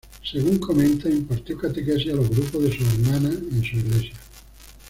Según comenta, impartió catequesis a los grupos de sus hermanas en su iglesia.